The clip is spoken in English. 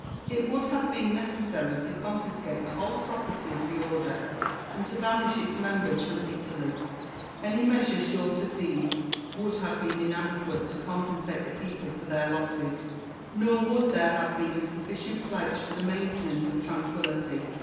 It would have been necessary to confiscate the whole property of the Order, and to banish its members from Italy. Any measure MARCUS lULLIUS AND QUINCTUS CICERO. 319 short of these would have been inadequate to compensate the people for their losses ; nor would there have been a sufficient pledge for the maintenance of tranquillity.